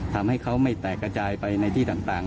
ทำให้เขาไม่แตกกระจายไปในที่ต่าง